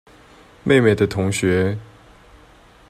妹妹的同學